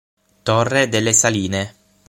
Torre delle Saline